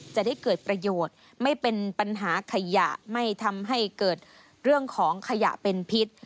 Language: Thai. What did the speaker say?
จะได้เกิดประโยชน์ไม่เป็นปัญหาขยะไม่ทำให้เกิดเรื่องของขยะเป็นพิษ